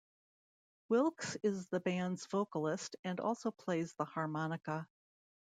Wilkes is the band's vocalist and also plays the harmonica.